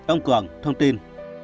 ông cường thông tin